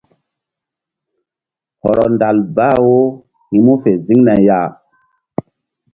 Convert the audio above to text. Hɔrɔ ndal bah wo hi̧ mu fe ziŋna ya.